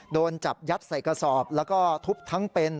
โดนจับยัดใส่กระสอบแล้วก็ทุบทั้งเป็น